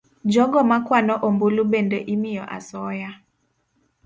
Jogo ma kwano ombulu bende imiyo asoya